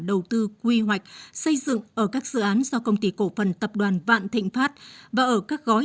đầu tư quy hoạch xây dựng ở các dự án do công ty cổ phần tập đoàn vạn thịnh pháp và ở các gói